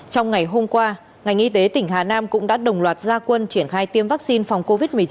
trong ngày hôm qua ngành y tế tỉnh hà nam cũng đã đồng loạt gia quân triển khai tiêm vaccine phòng covid một mươi chín